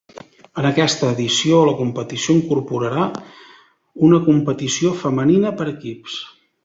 En aquesta edició la competició incorporà una competició femenina per equips.